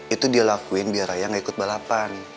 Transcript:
itu dia lakuin biar raya gak ikut balapan